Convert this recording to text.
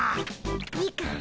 いいかい？